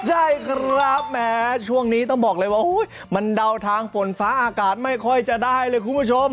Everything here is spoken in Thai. ใช่ครับแม้ช่วงนี้ต้องบอกเลยว่ามันเดาทางฝนฟ้าอากาศไม่ค่อยจะได้เลยคุณผู้ชม